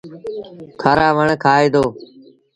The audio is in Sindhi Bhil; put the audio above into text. کآرآ وڻ کآئي دو۔